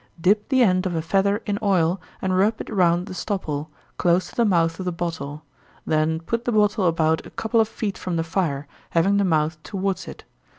_ Dip the end of a feather in oil, and rub it round the stopple, close to the mouth of the bottle; then put the bottle about a couple of feet from the fire, having the mouth towards it.